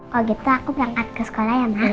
kalau gitu aku berangkat ke sekolah ya mbak